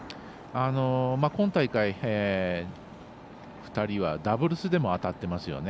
今大会２人はダブルスでも当たっていますよね。